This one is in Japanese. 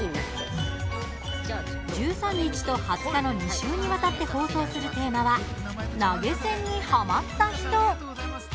１３日と２０日の２週にわたって放送するテーマは「投げ銭にハマった人」。